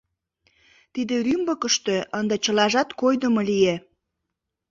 Тиде рӱмбыкыштӧ ынде чылажат койдымо лие.